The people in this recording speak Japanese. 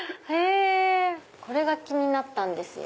これが気になったんですよ。